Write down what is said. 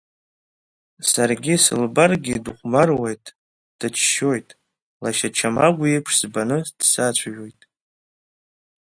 Сара сылбар дыхәмаруеит, дыччоит, лашьа Чамагә иеиԥш сбаны дсацәажәоит…